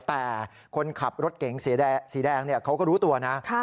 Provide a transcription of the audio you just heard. แต่คนขับรถเก๋งสีแดงเขาก็รู้ตัวนะ